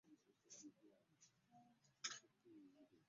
Abeddira Olugave bonna bantu bange ddala